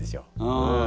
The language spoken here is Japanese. うん。